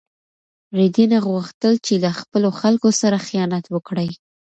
رېدي نه غوښتل چې له خپلو خلکو سره خیانت وکړي.